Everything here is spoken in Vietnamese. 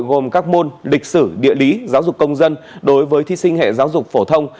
gồm các môn lịch sử địa lý giáo dục công dân đối với thí sinh hệ giáo dục phổ thông